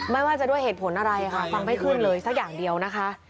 ไม่ว่าจะด้วยเหตุผลอะไรค่ะฟังไม่ขึ้นเลยสักอย่างเดียวนะคะ